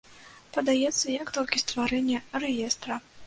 Падаецца як толькі стварэнне рэестра.